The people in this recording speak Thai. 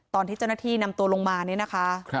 ตอนที่เจ้าหน้าที่นำตัวลงมาเนี่ยนะคะ